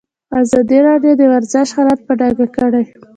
ازادي راډیو د ورزش حالت په ډاګه کړی.